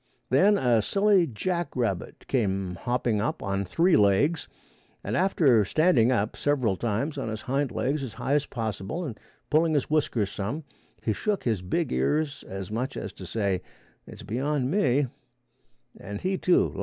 Then a silly jackrabbit came hopping up on three legs, and after standing up several times on his hind legs as high as possible and pulling his whiskers some, he shook his big ears as much as to say, "It's beyond me," and he, too, left.